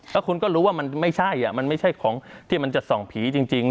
แล้วคุณก็รู้ว่ามันไม่ใช่มันไม่ใช่ของที่มันจะส่องผีจริง